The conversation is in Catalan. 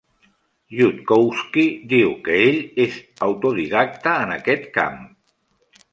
Yudkowsky diu que ell és autodidacta en aquest camp.